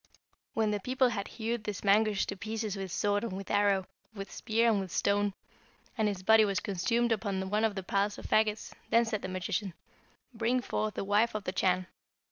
When the people had hewed this Mangusch to pieces with sword and with arrow, with spear and with stone, and his body was consumed upon one of the piles of fagots, then said the magician, 'Bring forth the wife of the Chan.'